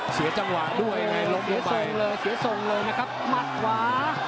เสียจังหวะด้วยหลบเสียทรงเลยเสียทรงเลยนะครับมัดขวา